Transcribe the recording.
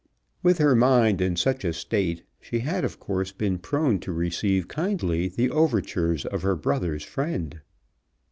With her mind in such a state she had of course been prone to receive kindly the overtures of her brother's friend.